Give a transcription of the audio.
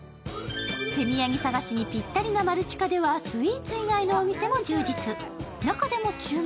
手土産探しにぴったりなマルチカではスイーツ以外のお店も注目。